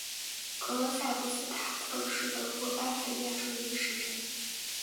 格罗赛布斯塔特是德国巴伐利亚州的一个市镇。